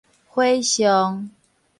火象